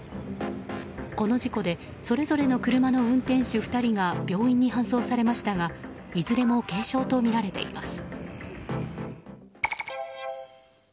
この事故でそれぞれの車の運転手２人が病院に搬送されましたがいずれも軽傷とみられています。